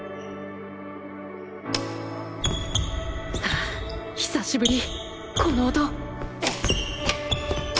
あぁ久しぶりこの音